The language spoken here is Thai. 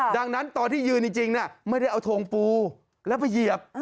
ดังนั้นตอนที่ยืนจริงไม่ได้เอาทงปูแล้วไปเหยียบ